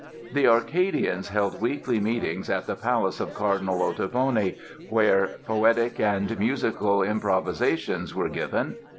] The "Arcadians" held weekly meetings at the palace of Cardinal Ottoboni, where poetic and musical improvisations were given.